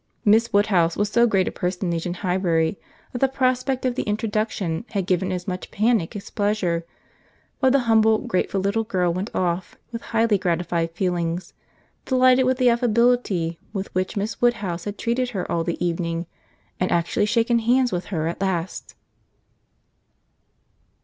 Miss Woodhouse was so great a personage in Highbury, that the prospect of the introduction had given as much panic as pleasure; but the humble, grateful little girl went off with highly gratified feelings, delighted with the affability with which Miss Woodhouse had treated her all the evening, and actually shaken hands with her at last!